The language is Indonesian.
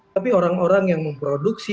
tapi orang orang yang memproduksi